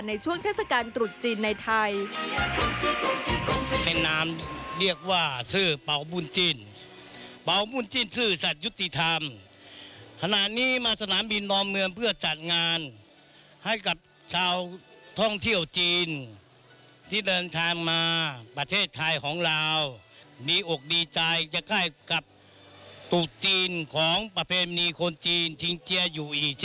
ในช่วงเทศกาลตรุดจีนในไทย